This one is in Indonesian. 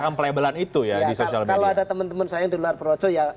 kalau ada teman teman saya yang di luar projo ya